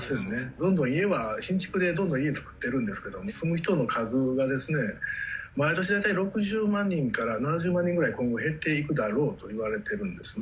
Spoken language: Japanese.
どんどん家は、新築でどんどん家造ってるんですけどね、住む人の数がですね、毎年大体６０万人から７０万人ぐらい今後減っていくだろうといわれているんですね。